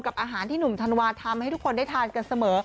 อาหารที่หนุ่มธันวาทำให้ทุกคนได้ทานกันเสมอ